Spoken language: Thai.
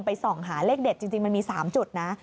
ส่องหาเลขเด็ดจริงมันมี๓จุดนะ